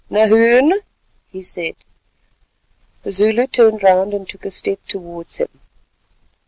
"Nahoon," he said. The Zulu turned round, and took a step towards him.